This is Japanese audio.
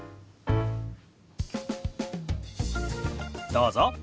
どうぞ。